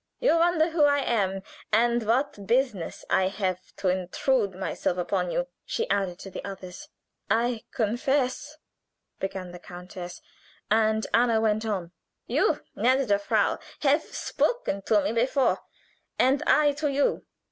You wonder who I am, and what business I have to intrude myself upon you," she added to the others. "I confess " began the countess, and Anna went on: "You, gnädige Frau, have spoken to me before, and I to you.